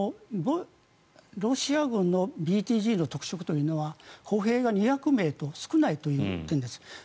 ロシア軍のＢＴＧの特色というのは歩兵が２００名と少ないという点です。